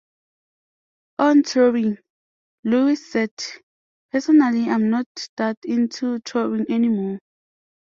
On touring, Louris said, Personally I'm not that into touring anymore.